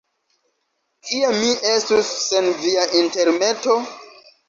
Kie mi estus sen via intermeto?